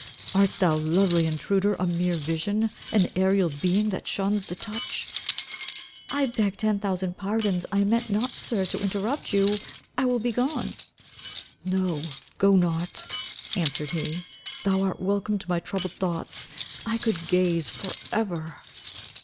Art thou, lovely intruder, a mere vision, an aerial being that shuns the touch?" "I beg ten thousand pardons. I meaned not, sir, to interrupt you. I will be gone." "No, go not." Answered he. "Thou art welcome to my troubled thoughts. I could gaze for ever."